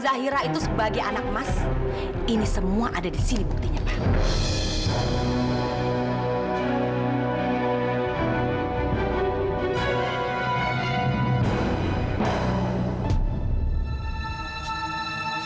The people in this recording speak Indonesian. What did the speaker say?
zahrawi raya dan rudy abdullah